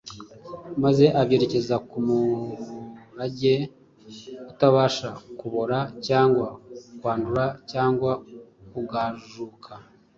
maze abyerekeza ku “murage utabasha kubora cyangwa kwandura cyangwa kugajuka.”